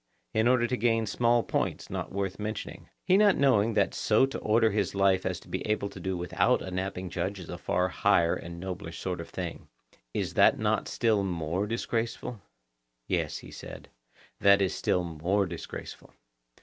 —in order to gain small points not worth mentioning, he not knowing that so to order his life as to be able to do without a napping judge is a far higher and nobler sort of thing. Is not that still more disgraceful? Yes, he said, that is still more disgraceful.